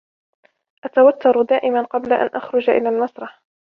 أتوتر دائما قبل أن أخرج إلى المسرح.